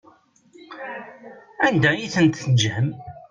Anda i tent-teǧǧam?